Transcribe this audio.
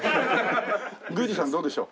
宮司さんどうでしょう。